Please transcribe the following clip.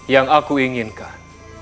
yang aku inginkan